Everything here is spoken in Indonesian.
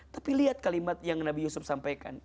tapi lihat kalimat yang nabi yusuf sampaikan